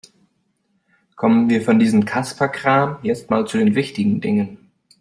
Kommen wir von diesem Kasperkram jetzt mal zu den wichtigen Dingen.